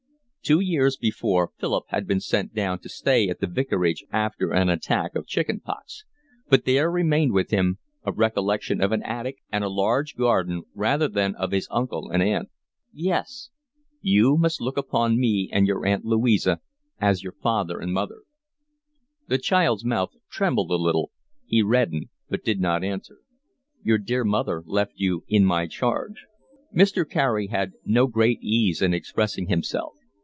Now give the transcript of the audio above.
Two years before Philip had been sent down to stay at the vicarage after an attack of chicken pox; but there remained with him a recollection of an attic and a large garden rather than of his uncle and aunt. "Yes." "You must look upon me and your Aunt Louisa as your father and mother." The child's mouth trembled a little, he reddened, but did not answer. "Your dear mother left you in my charge." Mr. Carey had no great ease in expressing himself.